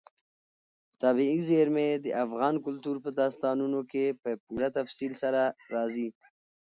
طبیعي زیرمې د افغان کلتور په داستانونو کې په پوره تفصیل سره راځي.